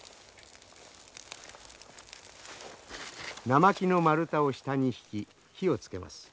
生木の丸太を下に敷き火をつけます。